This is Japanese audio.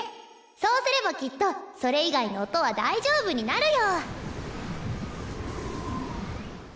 そうすればきっとそれ以外の音は大丈夫になるよ。